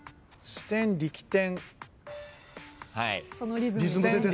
支点力点。